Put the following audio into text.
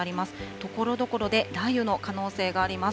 ところどころで雷雨の可能性があります。